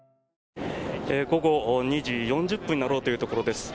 午後２時４０分になろうというところです。